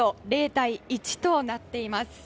０対１となっています。